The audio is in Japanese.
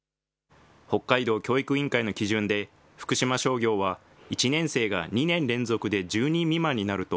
北海道教育委員会の基準で、福島商業は１年生が２年連続で１０人未満になると、